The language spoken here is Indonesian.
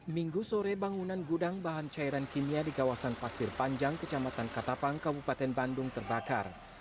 minggu sore bangunan gudang bahan cairan kimia di kawasan pasir panjang kecamatan katapang kabupaten bandung terbakar